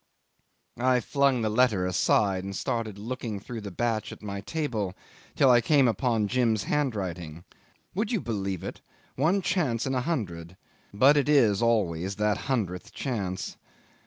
..." I flung the letter aside and started looking through the batch on my table, till I came upon Jim's handwriting. Would you believe it? One chance in a hundred! But it is always that hundredth chance!